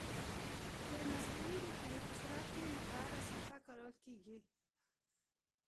د مصنوعي روښنایي په صورت کې مقعره صفحه کارول کیږي.